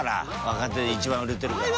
若手で一番売れてるから。